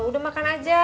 udah makan aja